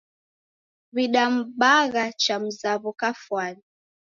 W'idambagha cha mzaw'o kafwani.